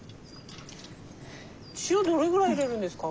塩どれぐらい入れるんですか？